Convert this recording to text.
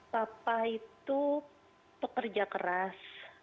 papa itu pekerja keras